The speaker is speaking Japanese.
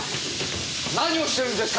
何をしてるんですか！